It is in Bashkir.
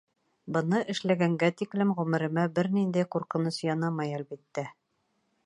Быны эшләгәнгә тиклем ғүмеремә бер ниндәй ҡурҡыныс янамай, әлбиттә.